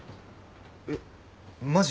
えっマジ？